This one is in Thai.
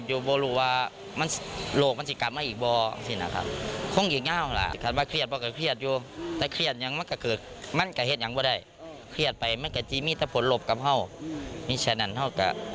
อย่าไปตั้งวงดื่มสุราการแบบนี้นะคะ